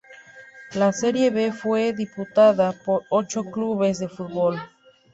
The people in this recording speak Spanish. La Serie B fue disputada por ocho clubes de fútbol.